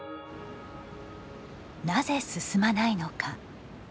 なぜ進まないのか。